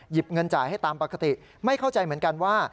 เงินจ่ายให้ตามปกติไม่เข้าใจเหมือนกันว่า